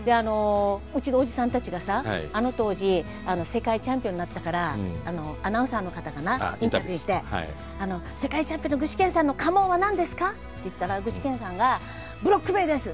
うちのおじさんたちがさあの当時世界チャンピオンになったからアナウンサーの方かなインタビューして「世界チャンピオンの具志堅さんの家紋は何ですか？」って言ったら具志堅さんが「ブロック塀です」。